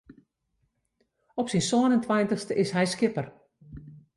Op syn sân en tweintichste is hy skipper.